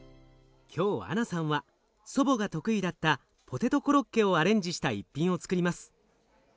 今日アナさんは祖母が得意だったポテトコロッケをアレンジした一品をつくります。